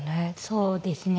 そうですね。